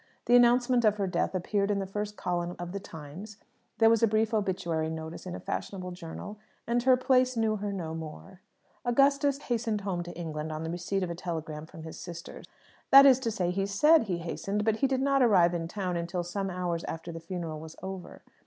The announcement of her death appeared in the first column of the Times, there was a brief obituary notice in a fashionable journal, and her place knew her no more. Augustus hastened home to England on the receipt of a telegram from his sister. That is to say, he said he hastened; but he did not arrive in town until some hours after the funeral was over.